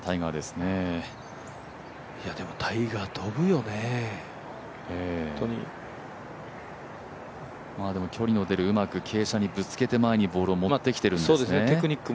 タイガー飛ぶよね、ホントに距離の出る、うまく、傾斜に向けてボールを持ってきているんですね。